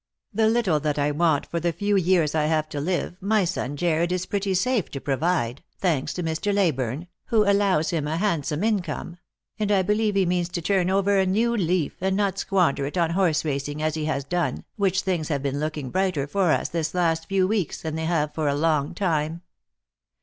The little that I want for the few years I have to live my son Jarred is pretty safe to provide, thanks to Mr. Leyburne, who allows him a handsome income ; and I believe he means to turn over a new leaf, and not squander it on horse racing, as he has done, which things have been looking brighter for us this last few weeks than they have for a long time.